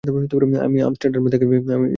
আমি আমস্টারডামে থাকি, এজন্যই।